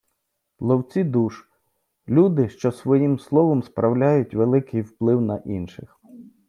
Ловці душ — люди, що своїм словом справляють великий вплив на інших